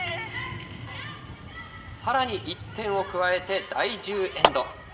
さらに１点を加えて、第１０エンド。